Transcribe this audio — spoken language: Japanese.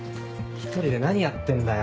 １人で何やってんだよ。